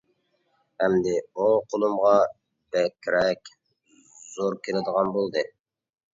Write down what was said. ئەمدى ئوڭ قولۇمغا بەكرەك زور كېلىدىغان بولدى.